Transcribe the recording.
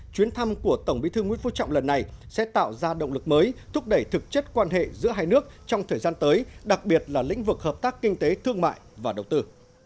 chuyến thăm của tổng bí thư nguyễn phú trọng lần này sẽ tạo ra động lực mới thúc đẩy thực chất quan hệ giữa hai nước trong thời gian tới đặc biệt là lĩnh vực hợp tác kinh tế thương mại và đầu tư